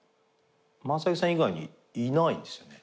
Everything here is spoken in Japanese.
雅之さん以外にいないですね。